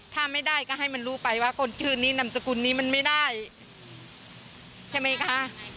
ถ้าไม่ได้ก็ให้มันรู้ไปว่าคนชื่อนี้นามสกุลนี้มันไม่ได้ใช่ไหมคะ